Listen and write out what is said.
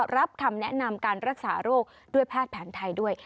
รับคำแนะนำการรักษาโรคด้วยแพทย์แผนไทยด้วย